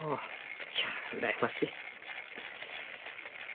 いや羨ましい。